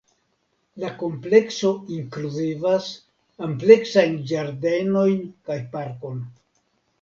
La komplekso inkluzivas ampleksajn ĝardenojn kaj parkon.